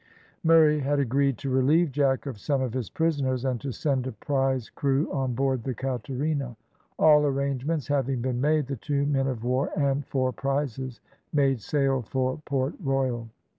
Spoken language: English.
Murray had agreed to relieve Jack of some of his prisoners, and to send a prize crew on board the Caterina. All arrangements having been made, the two men of war and four prizes made sail for Port Royal.